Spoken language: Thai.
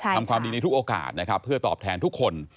ทำความดีในทุกโอกาสนะครับเพื่อตอบแทนทุกคน